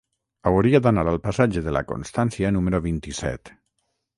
Hauria d'anar al passatge de la Constància número vint-i-set.